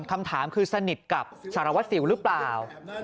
คำถามคือสนิทกับสารวัตรสิวหรือเปล่า